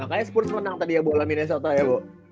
makanya spurs menang tadi ya bola minnesota ya bo